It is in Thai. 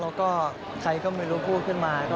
แล้วก็ใครก็ไม่รู้พูดขึ้นมา